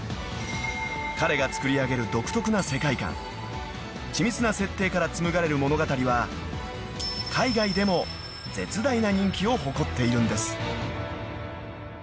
［彼がつくり上げる独特な世界観緻密な設定から紡がれる物語は海外でも絶大な人気を誇っているんです］